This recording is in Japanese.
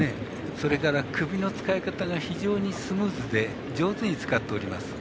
それから首の使い方が非常にスムーズで上手に使っております。